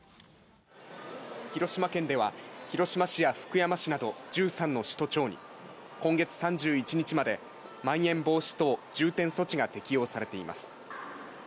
広島県では広島市や福山市など１３の市と町に今月３１日までまん延防止等重点措置が適用されています。